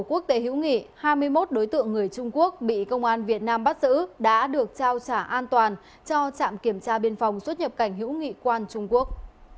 quốc tế hữu nghị hai mươi một đối tượng người trung quốc bị công an việt nam bắt giữ đã được trao trả an toàn cho trạm kiểm tra biên phòng xuất nhập cảnh hữu nghị quan trung quốc